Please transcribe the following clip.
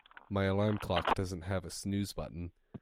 My alarm clock doesn't have a snooze button.